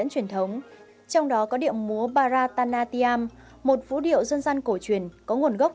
truyền thống trong đó có điệu múa bharatanatia một vũ điệu dân gian cổ truyền có nguồn gốc